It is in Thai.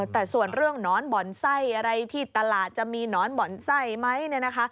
แต่ส่วนเรื่องหนอนบ่อนไส้อะไรที่ตลาดจะมีหนอนบ่อนไส้ไหม